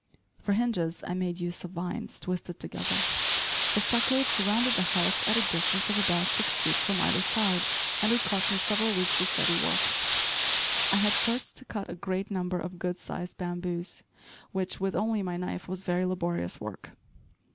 For hinges I made use of vines twisted together. The stockade surrounded the house at a distance of about six feet from either side, and it cost me several weeks of steady work. I had first to cut a great number of good sized bamboos, which, with only my knife, was very laborious work.